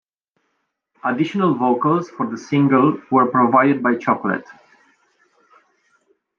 Additional vocals for the single were provided by Chocolette.